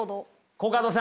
コカドさん。